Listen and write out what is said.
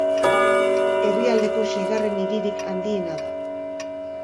Herrialdeko seigarren hiririk handiena da.